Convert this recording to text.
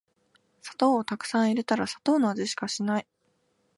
砂糖をたくさん入れたら砂糖の味しかしない